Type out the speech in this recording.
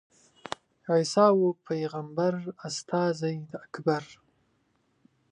عیسی وو پېغمبر استازی د اکبر.